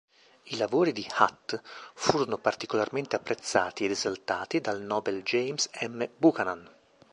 I lavori di Hutt furono particolarmente apprezzati ed esaltati dal nobel James M. Buchanan.